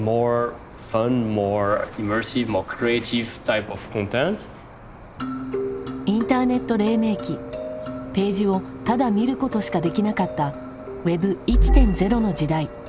インターネット黎明期ページをただ見ることしかできなかったＷｅｂ１．０の時代。